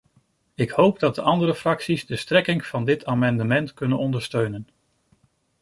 Ik hoop dat de andere fracties de strekking van dit amendement kunnen ondersteunen.